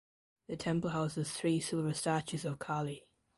The temple houses three silver statues of Kali.